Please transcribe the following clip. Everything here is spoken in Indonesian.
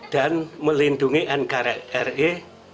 dan melindungi nkri